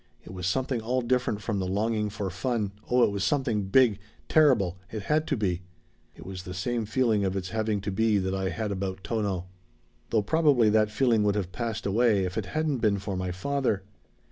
It was something all different from the longing for fun oh it was something big terrible it had to be. It was the same feeling of its having to be that I had about Tono. "Though probably that feeling would have passed away if it hadn't been for my father.